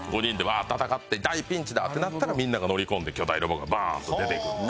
戦って大ピンチだってなったらみんなが乗り込んで巨大ロボがバーンと出てくる。